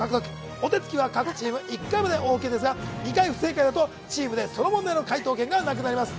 お手つきは各チーム１回までオーケーですが２回目になりなますとチームでその問題の解答権がなくなります。